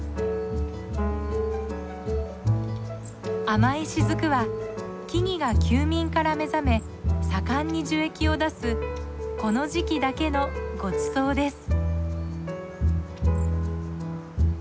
甘い滴は木々が休眠から目覚め盛んに樹液を出すこの時期だけのごちそうです。